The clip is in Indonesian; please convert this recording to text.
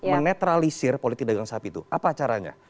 menetralisir politik dagang sapi itu apa caranya